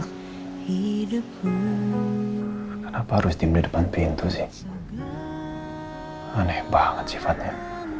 hidupku kenapa harus tim di depan pintu sih aneh banget sifatnya